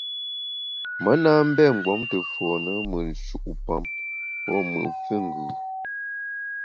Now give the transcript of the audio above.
Me na mbé mgbom te fone mùt nshu’pam pô mùt füngù.